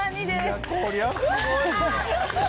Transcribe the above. いやこりゃすごいわ。